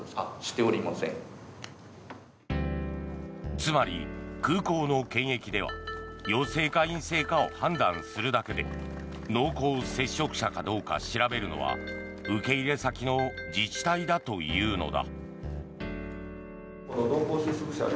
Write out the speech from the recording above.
つまり空港の検疫では陽性か陰性かを判断するだけで濃厚接触者かどうか調べるのは受け入れ先の自治体だというのだ。